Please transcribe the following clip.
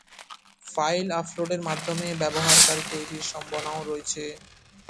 File আপলোডের মাধ্যমে ব্যবহারকারী তৈরির সম্ভাবনাও রয়েছে।